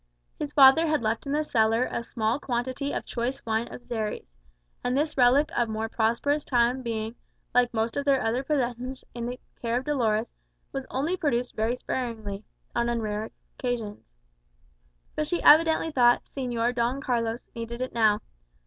His father had left in the cellar a small quantity of choice wine of Xeres; and this relic of more prosperous times being, like most of their other possessions, in the care of Dolores, was only produced very sparingly, and on rare occasions. But she evidently thought "Señor Don Carlos" needed it now.